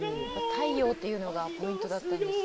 太陽というのがポイントだったんですね。